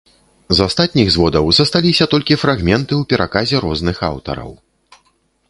З астатніх зводаў засталіся толькі фрагменты ў пераказе розных аўтараў.